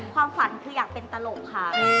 ความฝันคืออยากเป็นตลกค่ะ